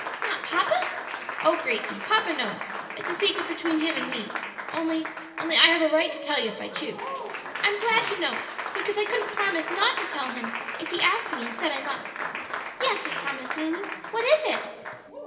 "Not papa?" "Oh, Gracie, papa knows; it's a secret between him and me only only I have a right to tell you if I choose." "I'm glad he knows, because I couldn't promise not to tell him if he asked me and said I must. Yes, I promise, Lulu. What is it?"